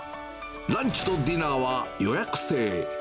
ランチとディナーは予約制。